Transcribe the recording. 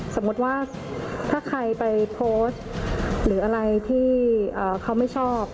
สมมุติว่าถ้าใครไปโพสต์หรืออะไรที่เขาไม่ชอบ